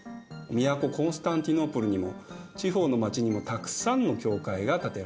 都コンスタンティノープルにも地方の街にもたくさんの教会が建てられます。